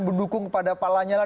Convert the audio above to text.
berdukung kepada pak lanyala